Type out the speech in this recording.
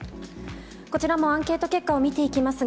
こちらもアンケート結果を見ていきますが、